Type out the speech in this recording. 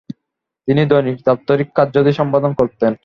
তিনি দৈনিক দাপ্তরিক কার্যাদি সম্পাদন করতেন।